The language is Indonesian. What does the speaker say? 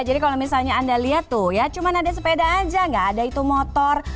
jadi kalau misalnya anda lihat tuh ya cuma ada sepeda aja nggak ada itu motor